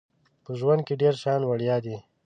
په ژوند کې ډیر شیان وړيا دي